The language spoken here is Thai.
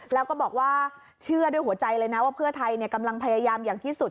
แล้วก็บอกว่าเชื่อด้วยหัวใจเลยนะว่าเพื่อไทยกำลังพยายามอย่างที่สุด